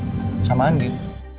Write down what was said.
kamu harus meeting sama andien